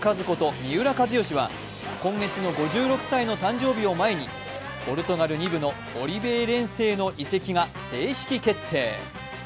三浦知良は今月の５６歳の誕生日を前にポルトガル２部のオリベイレンセへの移籍が正式決定。